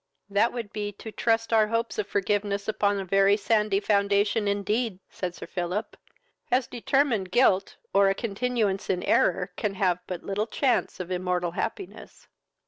"That would be to trust our hopes of forgiveness upon a very sandy foundation indeed, (said Sir Philip,) as determined guilt, or a continuance in error, can have but little chance of immortal happiness."